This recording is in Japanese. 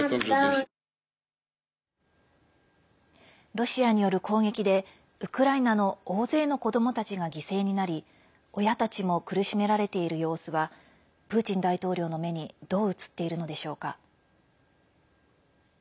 ロシアによる攻撃でウクライナの大勢の子どもたちが犠牲になり親たちも苦しめらてれいる様子はプーチン大統領の目にどう映っているのでしょうか。